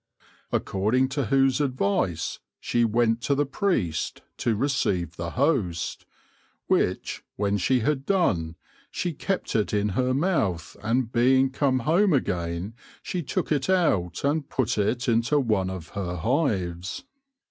According to whose advice she went to the priest to receive the host : which when she had done, she kept it in hir mouth, and being come home againe she took it out, and put it into one of hir hives.